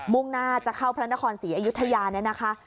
่งหน้าจะเข้าพระนครศรีอยุธยาเนี่ยนะคะ